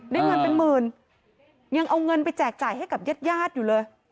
ได้เงินเป็นหมื่นยังเอาเงินไปแจกจ่ายให้กับญาติญาติอยู่เลย